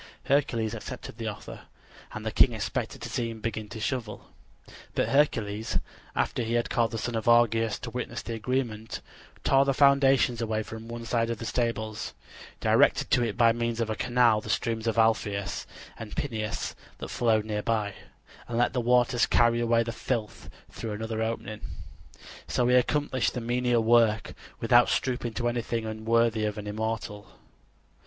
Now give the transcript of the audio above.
Hercules accepted the offer, and the king expected to see him begin to shovel. But Hercules, after he had called the son of Augeas to witness the agreement, tore the foundations away from one side of the stables; directed to it by means of a canal the streams of Alpheus and Peneus that flowed near by; and let the waters carry away the filth through another opening. So he accomplished the menial work without stooping to anything unworthy of an immortal.